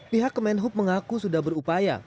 pihak kemenhub mengaku sudah berupaya